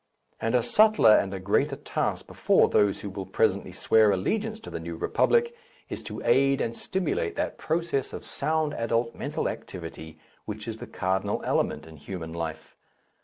And a subtler and a greater task before those who will presently swear allegiance to the New Republic is to aid and stimulate that process of sound adult mental activity which is the cardinal element in human life.